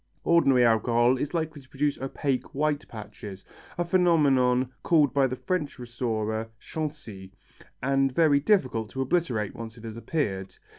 Ordinary alcohol is likely to produce opaque, white patches, a phenomenon called by the French restorer chanci, and very difficult to obliterate once it has appeared.